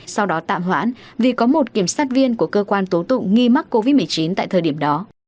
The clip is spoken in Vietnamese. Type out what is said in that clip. sau đó tạm hoãn vì có một kiểm sát viên của cơ quan tố tụng nghi mắc covid một mươi chín tại thời điểm đó